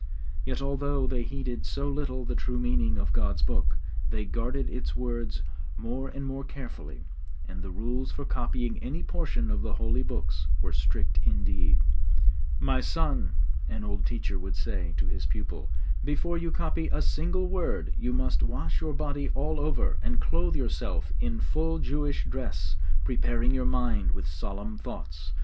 Yet although they heeded so little the true meaning of God's Book, they guarded its words more and more carefully; and the rules for copying any portion of the holy Books were strict indeed. 'My son,' an old teacher would say to his pupil, 'before you copy a single word you must wash your body all over, and clothe yourself in full Jewish dress, preparing your mind with solemn thoughts.